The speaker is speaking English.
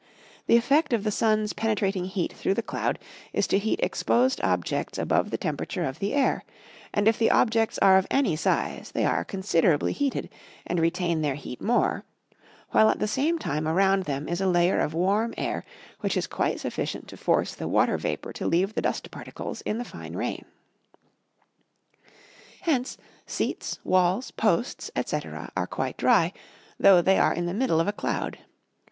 The effect of the sun's penetrating heat through the cloud is to heat exposed objects above the temperature of the air; and if the objects are of any size they are considerably heated, and retain their heat more, while at the same time around them is a layer of warm air which is quite sufficient to force the water vapour to leave the dust particles in the fine rain. Hence seats, walls, posts, &c., are quite dry, though they are in the middle of a cloud.